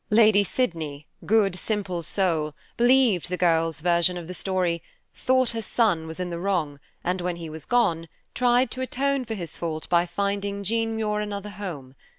Lady Sydney, good, simple soul, believed the girl's version of the story, thought her son was in the wrong, and when he was gone, tried to atone for his fault by finding Jean Muir another home.